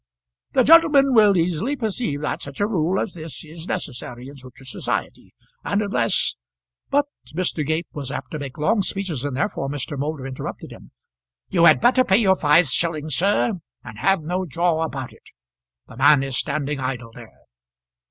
"The gentleman will easily perceive that such a rule as this is necessary in such a society; and unless " But Mr. Gape was apt to make long speeches, and therefore Mr. Moulder interrupted him. "You had better pay your five shillings, sir, and have no jaw about it. The man is standing idle there."